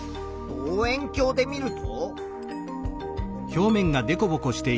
望遠鏡で見ると。